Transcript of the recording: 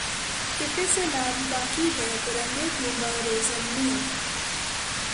کفِ سیلاب باقی ہے‘ برنگِ پنبہ‘ روزن میں